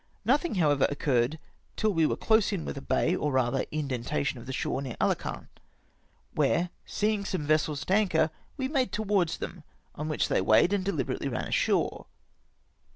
Nothing, however, occurred, till we were close in with a bay, or rather indentation of the shore near Ahcant, where seeing some vessels at anchor, we made towards them, on which they weighed and dehberately ran ashore.